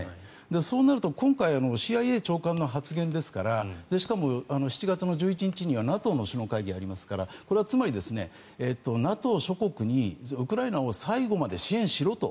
そうなると今回はＣＩＡ長官の発言ですからしかも７月１１日にはＮＡＴＯの首脳会議がありますからこれはつまりＮＡＴＯ諸国にウクライナを最後まで支援しろと。